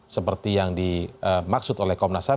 seperti yang dimaksud oleh komnas ham